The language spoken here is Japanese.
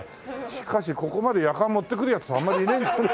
しかしここまでやかん持ってくるヤツはあんまりいないんじゃ。